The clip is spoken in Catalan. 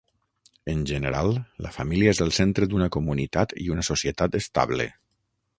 En general, la família és el centre d'una comunitat i una societat estable.